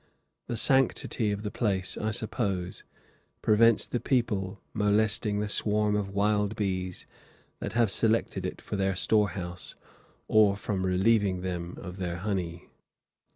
The sanctity of the place, I suppose, prevents the people molesting the swarm of wild bees that have selected it for their storehouse, or from relieving them of their honey.